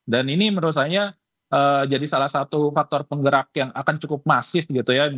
dan ini menurut saya jadi salah satu faktor penggerak yang akan cukup masif gitu ya